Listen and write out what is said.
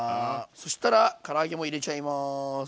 そしたらから揚げも入れちゃいます。